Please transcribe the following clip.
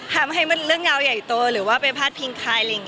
ทำให้มันเรื้องเงาใหญ่ตัวหรือว่าไปภาษาพิงคายอะไรแบบนี้